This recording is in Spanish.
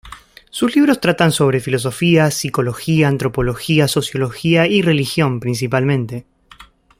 Sus libros tratan sobre filosofía, psicología, antropología, sociología y religión principalmente.